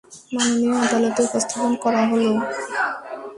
মাননীয় আদালতে উপস্থাপন করা হলো।